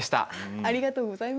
ありがとうございます。